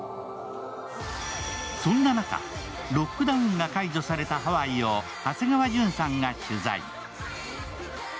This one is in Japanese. そんな中、ロックダウンが解除されたハワイを長谷川潤さんが取材。